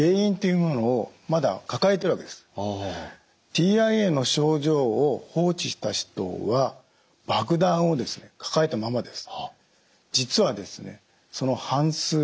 ＴＩＡの症状を放置した人は爆弾を抱えたままです。